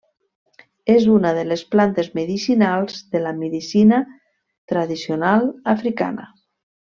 És una de les plantes medicinals de la medicina tradicional africana.